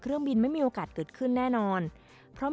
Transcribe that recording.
และการบริการผู้โดยสาร๑๒๗๕ราย